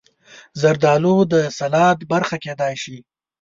زردالو د سلاد برخه کېدای شي.